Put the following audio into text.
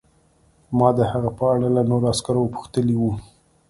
ما د هغه په اړه له نورو عسکرو پوښتلي وو